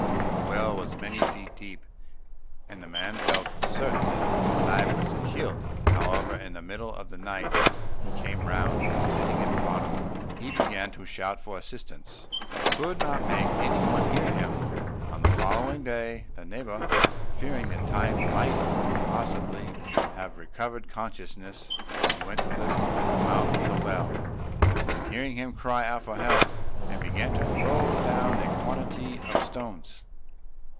The well was many feet deep, and the man felt certain that Tai was killed; however, in the middle of the night he came round, and sitting up at the bottom, he began to shout for assistance, but could not make any one hear him. On the following day, the neighbour, fearing that Tai might possibly have recovered consciousness, went to listen at the mouth of the well; and hearing him cry out for help, began to throw down a quantity of stones.